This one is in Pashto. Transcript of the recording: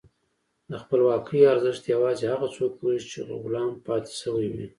د خپلواکۍ ارزښت یوازې هغه څوک پوهېږي چې غلام پاتې شوي وي.